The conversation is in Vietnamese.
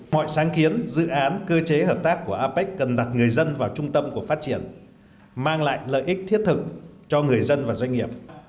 mọi sáng kiến dự án cơ chế hợp tác của apec cần đặt người dân vào trung tâm của phát triển mang lại lợi ích thiết thực cho người dân và doanh nghiệp